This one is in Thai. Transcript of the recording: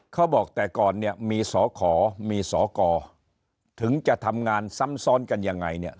เขาบอกแต่ก่อนเนี่ยมีสอขอมีสอกรถึงจะทำงานซ้ำซ้อนกันยังไงเนี่ย